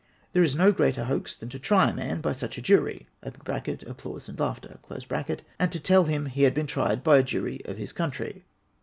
There is no greater hoax than to try a man by such a jury (applause and laughter), — and to tell him he had been tried by a jury of his country.